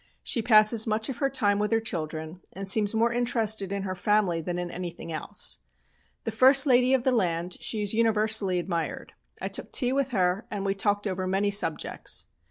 She passes much of her time with her children, and seems more interested in her family than in anything else. The first lady of the land, she is universally admired. I took tea with her and we talked over many subjects.